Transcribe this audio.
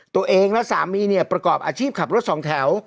ตัวเองและสามีเนี่ยประกอบอาชีพขับรถสองแถว